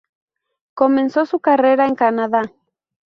Comenzó su carrera en Canadá.